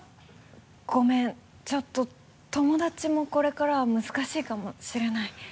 ごめんちょっと友達もこれからは難しいかもしれない。